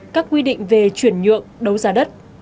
các quy định về chuyển nhượng đấu giá đất